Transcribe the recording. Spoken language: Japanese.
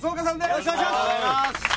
よろしくお願いします！